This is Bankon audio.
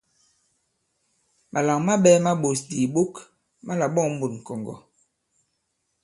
Màlàŋ maɓɛ̄ ma ɓōs di ìɓok ma là-ɓɔ᷇ŋ mût ŋ̀kɔ̀ŋgɔ̀.